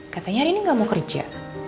katanya hari ini gak mau kerja